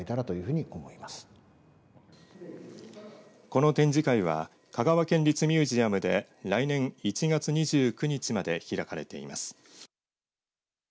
この展示会は香川県立ミュージアムで来年１月２９日まで開かれています。